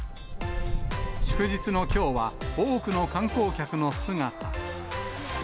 祝日のきょうは、多くの観光客の姿。